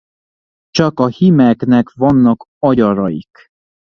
Csak a hímeknek vannak agyaraik.